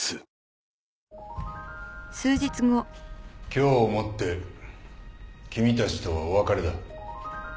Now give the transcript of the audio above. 今日をもって君たちとはお別れだ。